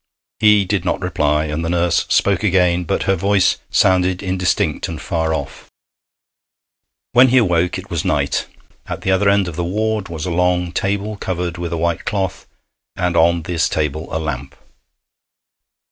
He did not reply, and the nurse spoke again, but her voice sounded indistinct and far off. When he awoke it was night. At the other end of the ward was a long table covered with a white cloth, and on this table a lamp.